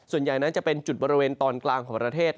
ส่วนใหญ่นั้นจะเป็นจุดบริเวณตอนกลางของประเทศ